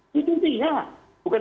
di dunia bukan